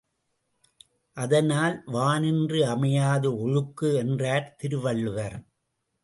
அதனால் வானின்று அமையாது ஒழுக்கு என்றார் திருவள்ளுவர்.